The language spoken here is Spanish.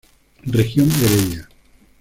Región Heredia.